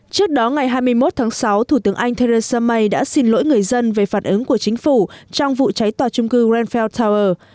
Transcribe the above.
trước đó ngày hai mươi một tháng sáu thủ tướng anh theresa may đã xin lỗi người dân về phản ứng của chính phủ trong vụ cháy tòa trung cư greenfell tower